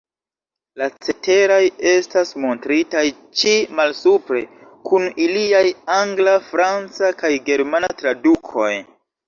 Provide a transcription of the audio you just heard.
La ceteraj estas montritaj ĉi malsupre, kun iliaj Angla, Franca kaj Germana tradukoj.